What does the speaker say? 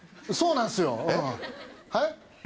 そうなんすよはい？